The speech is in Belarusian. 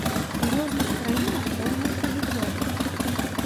У розных краінах розныя падыходы.